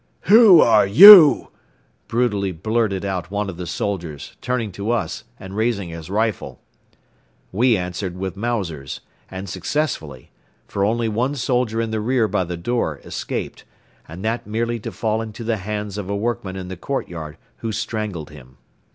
"Who are YOU?" brutally blurted out one of the soldiers, turning to us and raising his rifle. We answered with Mausers and successfully, for only one soldier in the rear by the door escaped, and that merely to fall into the hands of a workman in the courtyard who strangled him.